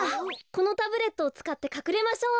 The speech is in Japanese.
このタブレットをつかってかくれましょう。